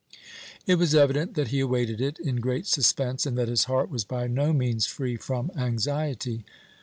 It was evident that he awaited it in great suspense, and that his heart was by no means free from anxiety.